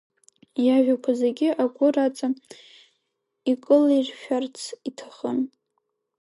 Иажәақәа зегьы агәыр аҵа икылиршәарц иҭахын.